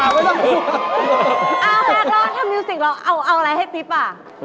เอาแฮคล่ะถ้ามิวสิกเราเอาอะไรให้พี่ฟรีป่ะ